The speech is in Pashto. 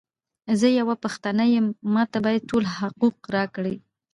زۀ یوه پښتانه یم، ماته باید ټول حقوق راکړی!